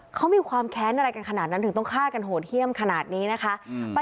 เขามีความแค้นอะไรกันขนาดนั้นถึงต้องฆ่ากันโหดเยี่ยมขนาดนี้นะคะ